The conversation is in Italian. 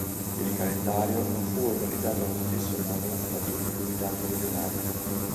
Il calendario non fu organizzato allo stesso modo da tutti i Comitati Regionali.